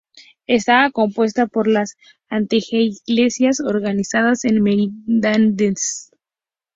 Estaba compuesta por las anteiglesias organizadas en merindades.